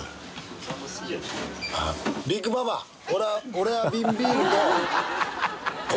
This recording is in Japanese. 俺は瓶ビールと氷。